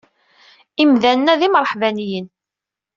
Imdanen-a d imreḥbaniyen.